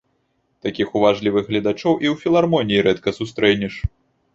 Такіх уважлівых гледачоў і ў філармоніі рэдка сустрэнеш.